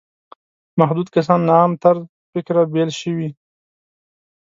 محدود کسان له عام طرز فکره بېل شوي.